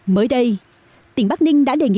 mới đây tỉnh bắc ninh đã đề nghị